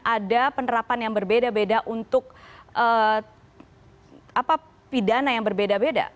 ada penerapan yang berbeda beda untuk pidana yang berbeda beda